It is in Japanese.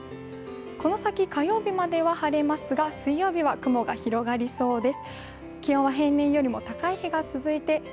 この先、火曜日までは晴れますが、水曜日は雲が広がりそうです。